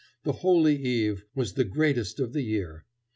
The "Holy Eve" was the greatest of the year.